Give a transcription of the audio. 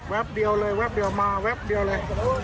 เดียวเลยแวบเดียวมาแวบเดียวเลย